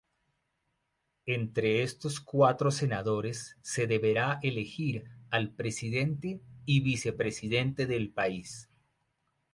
Entre estos cuatro senadores se deberá elegir al presidente y vicepresidente del país.